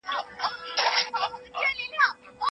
باز په کور کي نه ساتل کېږي.